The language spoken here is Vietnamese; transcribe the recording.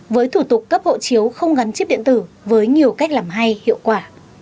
với thủ tục cấp hộ chiếu không gắn chip điện tử với nhiều cách làm hay hiệu quả